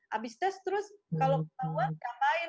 habis tes terus kalau mau siapain